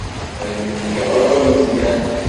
Ad wen-yaɣ awal Meẓyan.